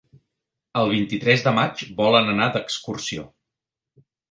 El vint-i-tres de maig volen anar d'excursió.